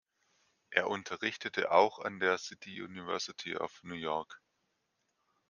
Er unterrichtete auch an der City University of New York.